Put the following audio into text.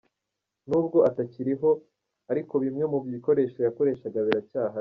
Nubwo atakiriho ariko bimwe mu bikoresho yakoreshaga biracyahari.